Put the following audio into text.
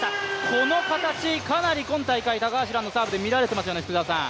この形、かなり今大会高橋藍のサーブで乱れてますよね、福澤さん。